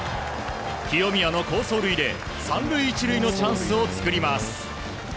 清宮の好走塁で３塁１塁のチャンスを作ります。